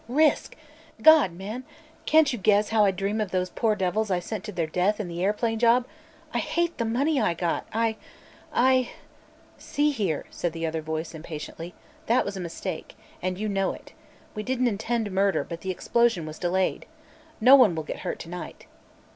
"Risk? God, man! Can't you guess how I dream of those poor devils I sent to their death in the airplane job? I hate the money I got! I I " "See here," said the other voice impatiently, "that was a mistake, and you know it. We didn't intend murder, but the explosion was delayed. No one will get hurt to night."